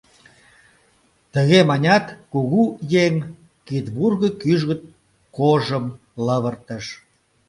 Тыге манят, кугу еҥ кидвурго кӱжгыт кожым лывыртыш.